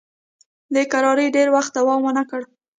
دې کراري ډېر وخت دوام ونه کړ.